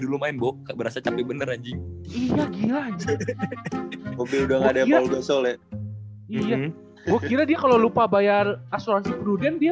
gila mobil dong ada yang bos oleh iya gue kira dia kalau lupa bayar asuransi pruden dia